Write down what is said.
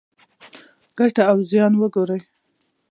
ګټه او زیان وګورئ.